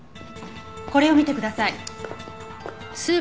これを見てください。